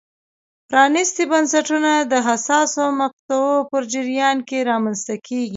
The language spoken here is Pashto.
پرانیستي بنسټونه د حساسو مقطعو په جریان کې رامنځته کېږي.